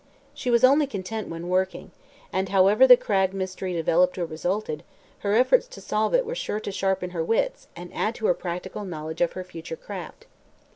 She was only content when "working," and however the Cragg mystery developed or resulted, her efforts to solve it were sure to sharpen her wits and add to her practical knowledge of her future craft.